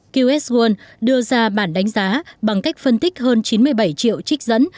qs world đưa ra bản đánh giá bằng cách phân tích hơn chín mươi bảy triệu trích dẫn